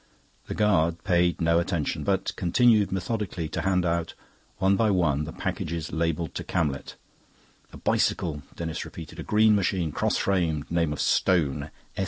The guard paid no attention, but continued methodically to hand out, one by one, the packages labelled to Camlet. "A bicycle!" Denis repeated. "A green machine, cross framed, name of Stone.